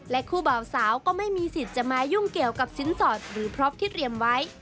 คู่บ่าวสาวก็ไม่มีสิทธิ์จะมายุ่งเกี่ยวกับสินสอดหรือพร็อปที่เตรียมไว้